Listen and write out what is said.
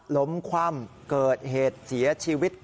ล้มความเกิดเหตุเสียชีวิต